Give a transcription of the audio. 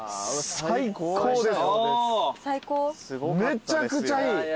めちゃくちゃいい。